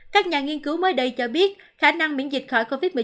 các nhà nghiên cứu mới đây cho biết khả năng miễn dịch khỏi covid một mươi chín